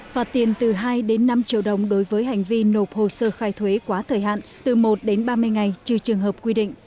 phạt tiền từ hai đến năm triệu đồng đối với hành vi nộp hồ sơ khai thuế quá thời hạn từ một đến ba mươi ngày trừ trường hợp quy định